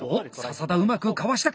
笹田うまくかわしたか？